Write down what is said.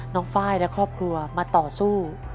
น้องฟ้ายและครอบครัวมาต่อสู้